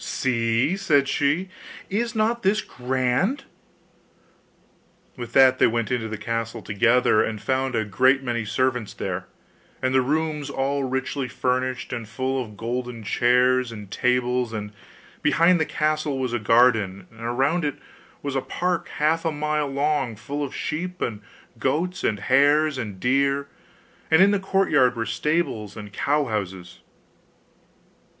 'See,' said she, 'is not this grand?' With that they went into the castle together, and found a great many servants there, and the rooms all richly furnished, and full of golden chairs and tables; and behind the castle was a garden, and around it was a park half a mile long, full of sheep, and goats, and hares, and deer; and in the courtyard were stables and cow houses.